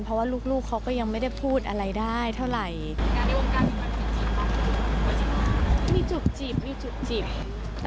เพราะว่าลูกเขาก็ยังไม่ได้พูดอะไรได้เท่าไหร่